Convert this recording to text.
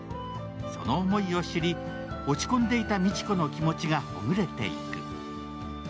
その思いを知り、落ち込んでいた三智子の気持ちがほぐれていく。